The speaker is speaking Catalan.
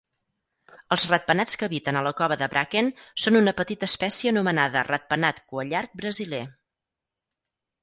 Els ratpenats que habiten a la cova de Bracken són una petita espècie nomenada ratpenat cuallarg brasiler.